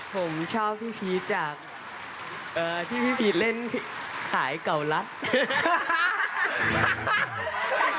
ผมชอบพี่พีชจากที่พี่พีชเล่นขายเก่ารัฐ